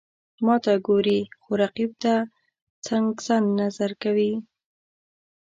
ماته ګوري، خو رقیب ته څنګزن نظر کوي.